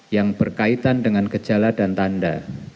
yang berkaitan dengan gejala dan tanda